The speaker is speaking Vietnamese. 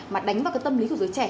mà đánh vào cái tâm lý của giới trẻ